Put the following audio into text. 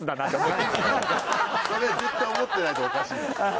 それ絶対思ってないとおかしい。